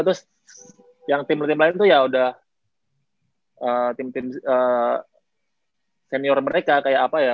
terus yang tim lain tim lain tuh yaudah senior mereka kayak apa ya